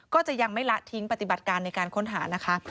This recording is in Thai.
ก็จะยังไม่ละทิ้งปฏิบัติการในการค้นหานะคะ